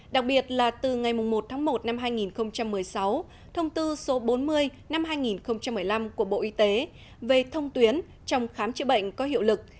đặc biệt là từ ngày một tháng một năm hai nghìn một mươi sáu thông tư số bốn mươi năm hai nghìn một mươi năm của bộ y tế về thông tuyến trong khám chữa bệnh có hiệu lực